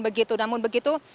begitu namun begitu